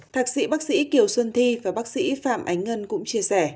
thạc sĩ bác sĩ kiều xuân thi và bác sĩ phạm ánh ngân cũng chia sẻ